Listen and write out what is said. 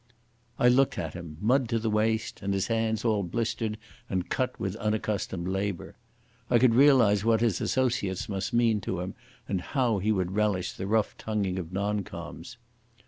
I looked at him—mud to the waist, and his hands all blistered and cut with unaccustomed labour. I could realise what his associates must mean to him, and how he would relish the rough tonguing of non coms.